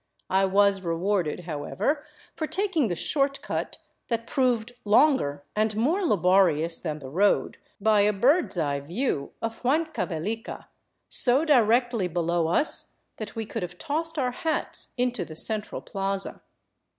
I was rewarded, however, for taking the " short cut " that proved longer and more laborious than the road, by a 362 OVERLAND TOWARD CUZCO bird's eye view of Huancavelica, so directly below us that we could have tossed our hats into the central plaza.